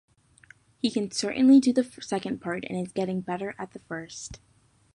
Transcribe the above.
He can certainly do the second part and is getting better at the first.